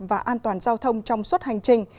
và an toàn của tỉnh lâm đồng